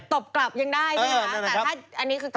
ตบกลับยังได้ใช่ไหมครับแต่ถ้าอันนี้คือเกิน